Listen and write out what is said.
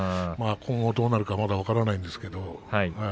今後どうなるかまだ分からないんですけど。